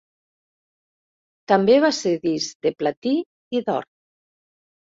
També va ser disc de platí i d'or.